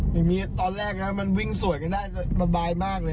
อย่างนี้ตอนแรกนะมันวิ่งสวยกันได้สบายมากเลย